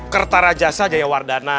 kerta raja saja ya wardana